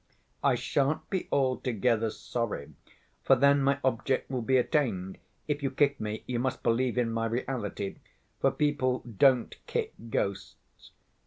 "I shan't be altogether sorry, for then my object will be attained. If you kick me, you must believe in my reality, for people don't kick ghosts.